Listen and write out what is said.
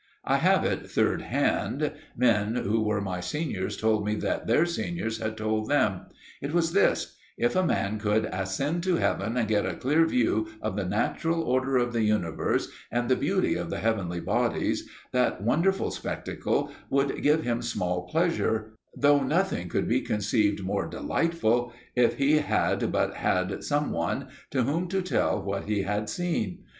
I have it third hand; men who were my seniors told me that their seniors had told them. It was this: "If a man could ascend to heaven and get a clear view of the natural order of the universe, and the beauty of the heavenly bodies, that wonderful spectacle would give him small pleasure, though nothing could be conceived more delightful if he had but had some one to whom to tell what he had seen."